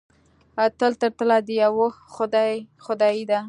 تل تر تله د یوه خدای خدایي ده.